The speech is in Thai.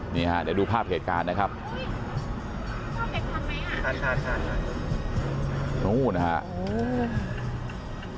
นี่ฮะเดี๋ยวดูภาพเหตุการณ์นะครับโอ้ยชอบเต็กทันไหมอ่ะค่ะค่ะค่ะ